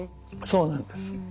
そうなんです。